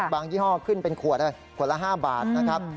ยี่ห้อขึ้นเป็นขวดขวดละ๕บาทนะครับ